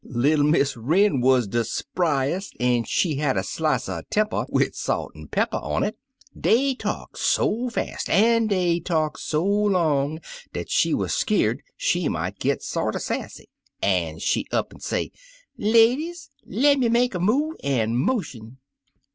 Little Miss Wren wuz de spryest, an' she had a slice er temper wid salt an' pepper on it. Dey talked so fast an' dey talked so long dat she wuz skeer'd she might git sorter sassy, an' she up'n say, 'Ladies, le' me make a move an' motion.